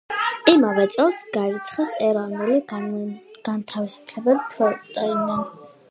იმავე წელს გარიცხეს „ეროვნული განმათავისუფლებელი ფრონტიდან“.